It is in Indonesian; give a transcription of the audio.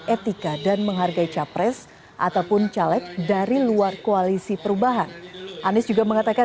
etika dan menghargai capres ataupun caleg dari luar koalisi perubahan anies juga mengatakan